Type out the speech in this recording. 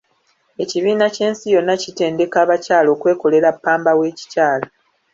Ekibiina ky'ensi yonna kitendeka abakyala okwekolera ppamba w'ekikyala.